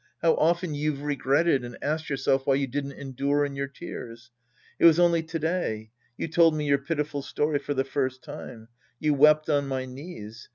How often you've regretted and asked yourself why you didn't endure in your tears ! It was only today. You told me your pitiful story for the first time. You wept on my knges.